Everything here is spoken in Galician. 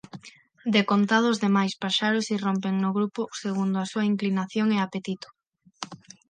Decontado os demais paxaros irrompen no grupo segundo a súa inclinación e apetito